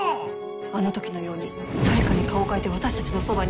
あの時のように誰かに顔を変えて私たちのそばに。